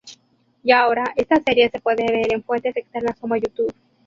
Y ahora esta serie se pude ver en fuentes externas como YouTube.